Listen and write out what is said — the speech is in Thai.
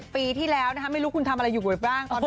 ๒๗ปีที่แล้วนะฮะไม่รู้คุณทำอะไรอยู่ด้วยบ้าง